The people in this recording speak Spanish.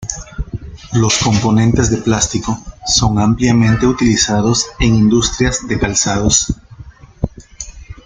Los componentes de plástico son ampliamente utilizados en industrias de calzados.